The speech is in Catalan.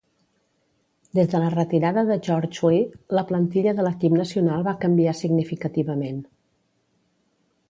Des de la retirada de George Weah, la plantilla de l'equip nacional va canviar significativament.